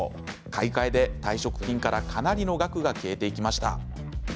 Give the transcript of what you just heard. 買い替えで退職金からかなりの額が消えていきました。